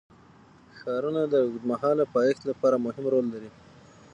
ښارونه د اوږدمهاله پایښت لپاره مهم رول لري.